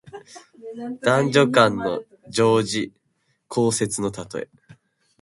男女間の情事、交接のたとえ。